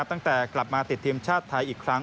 ตั้งแต่กลับมาติดทีมชาติไทยอีกครั้ง